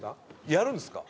やるんですか？